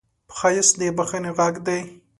ښایست د بښنې غږ دی